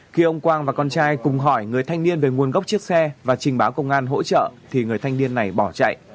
khi ông quang và con trai cùng hỏi người thanh niên về nguồn gốc chiếc xe và trình báo công an hỗ trợ thì người thanh niên này bỏ chạy